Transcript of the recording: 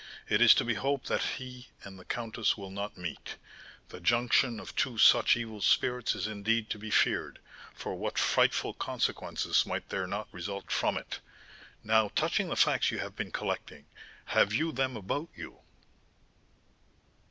It is to be hoped he and the countess will not meet; the junction of two such evil spirits is indeed to be feared, for what frightful consequences might there not result from it! Now, touching the facts you have been collecting, have you them about you?"